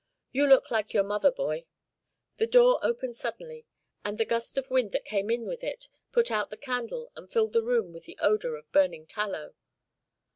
You look like your mother, boy." The door opened suddenly, and the gust of wind that came in with it put out the candle and filled the room with the odour of burning tallow.